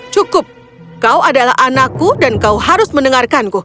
cukup kau adalah anakku dan kau harus mendengarkanku